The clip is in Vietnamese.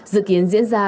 dự kiến diễn ra